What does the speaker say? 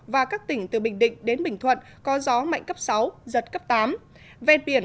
và các tỉnh từ bình định đến bình thuận có gió mạnh cấp sáu giật cấp tám ven biển